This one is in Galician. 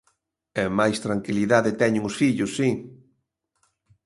E máis tranquilidade teñen os fillos, si.